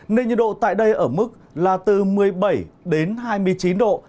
nên nhiệt độ tại đây ở mức là từ một mươi bảy đến hai mươi chín độ